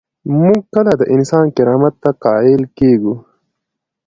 موږ کله د انسان کرامت ته قایل کیږو؟